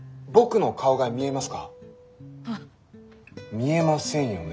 見えませんよね？